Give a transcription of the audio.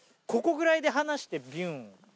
ここぐらいで離してビュン。